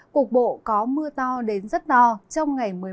cục bộ có mưa to đến sáng ngày mai